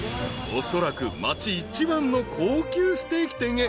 ［おそらく町一番の高級ステーキ店へ初入店］